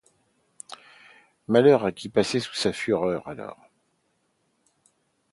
Malheur à qui passait sous sa fureur alors!